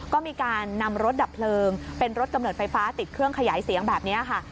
ก็มีการนำรถดับเพลิงเป็นรถกำเนิดไฟฟ้าติดเครื่องขยายเสียงแบบนี้ค่ะ